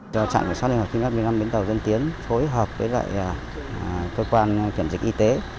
trạm kiểm soát liên hợp km một mươi năm bến tàu dân tiến phối hợp với cơ quan kiểm dịch y tế